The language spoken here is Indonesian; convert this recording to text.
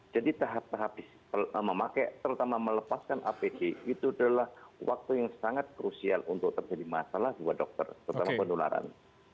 jadi tahap tahap memakai terutama melepaskan apd itu adalah waktu yang sangat krusial untuk terjadi masalah buat dokter terutama pendularan